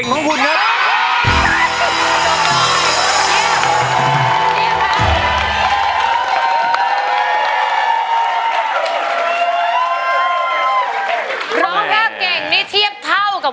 ตัวช่วยละครับเหลือใช้ได้อีกสองแผ่นป้ายในเพลงนี้จะหยุดทำไมสู้อยู่แล้วนะครับ